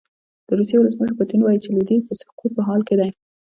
د روسیې ولسمشر پوتین وايي چې لویدیځ د سقوط په حال کې دی.